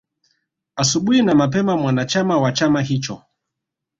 Asubuhi na mapema mwanachama wa chama hicho